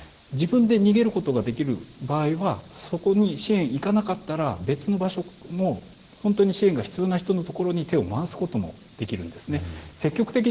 自分で逃げることができる場合はそこに支援がいかなかったら別の場所の本当に支援が必要な人のところに支援を回すことができるんです。